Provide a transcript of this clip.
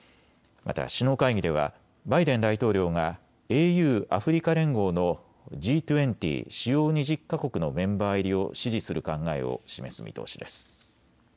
また首脳会議ではバイデン大統領がＡＵ・アフリカ連合のＧ２０・主要２０か国のメンバー入りを支持する考えを示す見通しです。